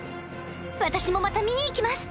私もまた見に行きます